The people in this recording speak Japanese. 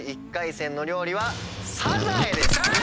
１回戦の料理はサザエです。